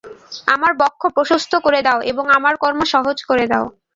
আমার বক্ষ প্রশস্ত করে দাও এবং আমার কর্ম সহজ করে দাও।